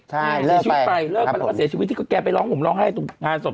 ใช่เสียชีวิตไปเลิกไปแล้วก็เสียชีวิตที่แกไปร้องห่มร้องไห้ตรงงานศพ